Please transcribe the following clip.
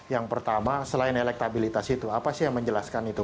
yang pertama selain elektabilitas itu apa sih yang menjelaskan itu